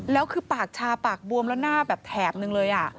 แล้วคือปากชาปากบวมแล้วหน้าแบบแถบนึงเลย